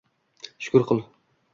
Shukr qil.